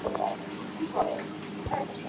আলমারি খুলিয়া একখানা বই লইয়া পড়িতে বসে।